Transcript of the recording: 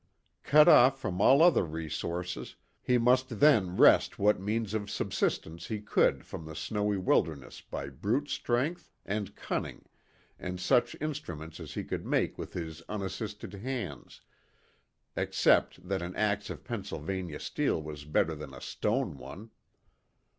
Cut off from all other resources, he must then wrest what means of subsistence he could from the snowy wilderness by brute strength and cunning and such instruments as he could make with his unassisted hands, except that an axe of Pennsylvania steel was better than a stone one.